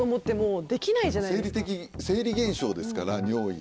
生理的生理現象ですから尿意。